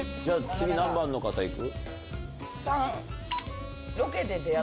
次何番の方いく？